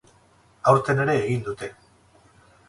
Aurten ere egin dute.